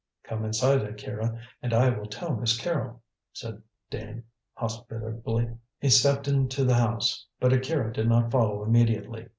"Come inside, Akira, and I will tell Miss Carrol," said Dane hospitably. He stepped into the house, but Akira did not follow immediately.